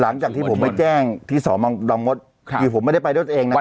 หลังจากที่ผมไปแจ้งที่สมดผมไม่ได้ไปด้วยเองนะครับ